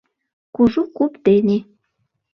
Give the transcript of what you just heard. — Кужу куп дене.